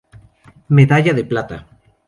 Medalla de Plata.